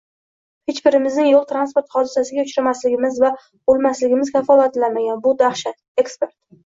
Hech birimizning yo´l transport hodisasiga uchramasligimiz va o‘lmasligimiz kafolatlanmagan, bu dahshat! – ekspert